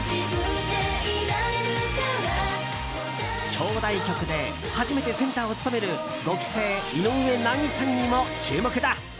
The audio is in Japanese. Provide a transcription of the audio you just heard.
表題曲で初めてセンターを務める５期生井上和さんにも注目だ。